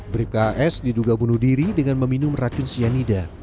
bribka as diduga bunuh diri dengan meminum racun cyanida